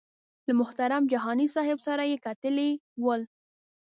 له محترم جهاني صاحب سره یې کتلي ول.